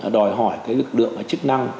đòi hỏi cái lực lượng chức năng